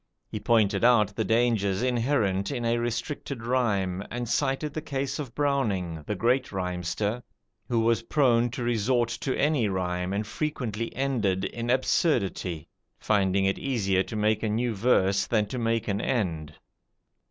He pointed out the dangers inherent in a restricted rhyme, and cited the case of Browning, the great rhymster, who was prone to resort to any rhyme, and frequently ended in absurdity, finding it easier to make a new verse than to make an end.